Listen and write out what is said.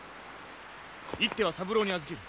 一手は三郎に預ける。